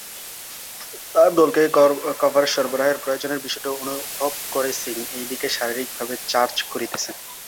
তাঁর দলকে কভার সরবরাহের প্রয়োজনের বিষয়টি অনুভব করে সিং এই দিকে শারীরিকভাবে চার্জ করেছিলেন।